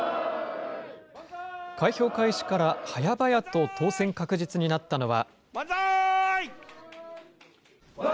開票開始から早々と当選確実になったのは。